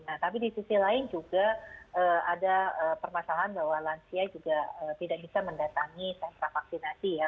nah tapi di sisi lain juga ada permasalahan bahwa lansia juga tidak bisa mendatangi sentra vaksinasi ya